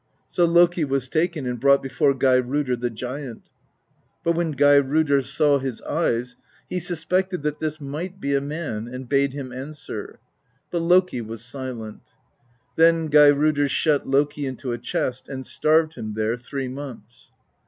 122 PROSE EDDA So Loki was taken and brought before Geirrodr the giant; but when Geirrodr saw his eyes, he suspected that this might be a man, and bade him answer; but Loki was silent. Then Geirrodr shut Loki into a chest and starved him there three months.